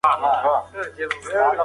مرسته په وخت ورسول شوه.